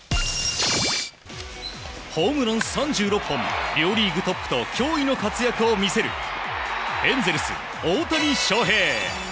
ホームラン３６本両リーグトップと驚異の活躍を見せるエンゼルス、大谷翔平。